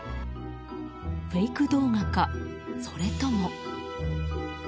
フェイク動画か、それとも。